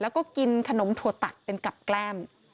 แล้วก็กินขนมถั่วตัดเป็นกับแกล้ม